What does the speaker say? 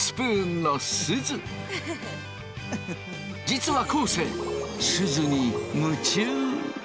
実は昴生すずに夢中。